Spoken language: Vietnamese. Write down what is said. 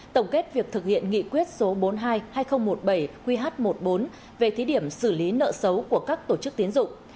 tổng kết việc thực hiện nghị quyết số bốn mươi hai hai nghìn một mươi bảy qh một mươi bốn về thí điểm xử lý nợ xấu của các tổ chức tiến dụng